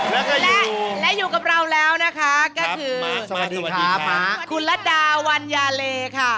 และอยู่กับเราแล้วนะคะก็คือคุณระดาวัญญาเลค่ะ